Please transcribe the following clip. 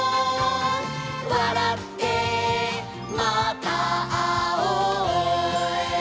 「わらってまたあおう」